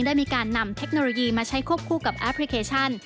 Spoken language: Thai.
ได้มีการนำเทคโนโลยีมาใช้ควบคู่กับแอปพลิเคชัน